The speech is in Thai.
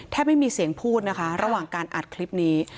ไม่มีเสียงพูดนะคะระหว่างการอัดคลิปนี้